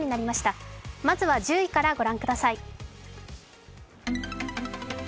まずは１０位から。